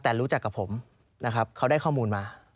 แต่รู้จักกับผมนะครับเขาได้ข้อมูลมา